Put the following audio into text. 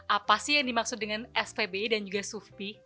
apa sih yang dimaksud dengan spbi dan juga sufi